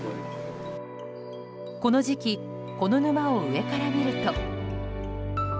この時期この沼を上から見ると。